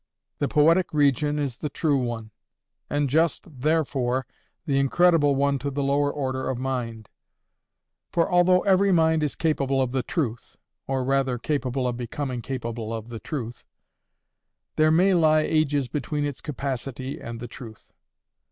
The poetic region is the true one, and just, THEREFORE, the incredible one to the lower order of mind; for although every mind is capable of the truth, or rather capable of becoming capable of the truth, there may lie ages between its capacity and the truth.